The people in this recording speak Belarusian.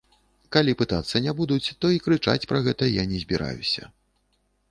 Калі пытацца не будуць, то і крычаць пра гэта я не збіраюся.